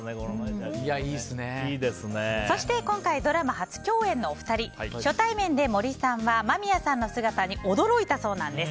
そして、今回ドラマ初共演のお二人初対面で森さんは間宮さんの姿に驚いたそうなんです。